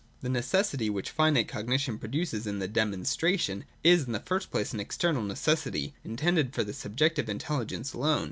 232.] The necessity, which finite cognition produces in the Demonstration, is, in the first place, an external necessity, intended for the subjective intelligence alone.